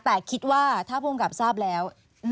แต่คิดว่าถ้าผู้กำกับทราบแล้ว